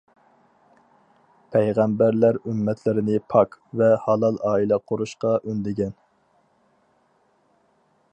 پەيغەمبەرلەر ئۈممەتلىرىنى پاك ۋە ھالال ئائىلە قۇرۇشقا ئۈندىگەن.